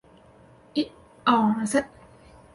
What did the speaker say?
所收的贿赂品由扣押机关依法予以没收上缴国库。